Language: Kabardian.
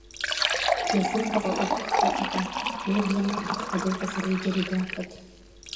Езым къыфӀэӀуэхуххэтэкъым, уеблэмэ апхуэдэу къызэреджэр и гуапэт.